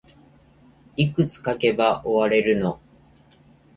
いくつ書けば終われるの